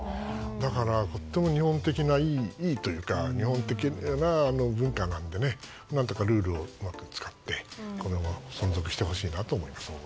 だから、とても日本的ないいというか日本的な文化なので何とかルールをうまく使ってこれを存続してほしいと思います。